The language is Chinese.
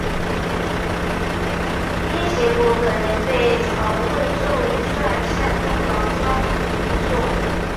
掖邪狗等人被曹魏授予率善中郎将印绶。